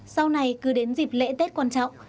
sau này cứ đến dịp lễ tết quan trọng